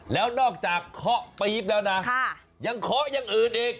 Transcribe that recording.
แล้วนอกจากเคาะปี๊บแล้วนะยังเคาะอย่างอื่นอีก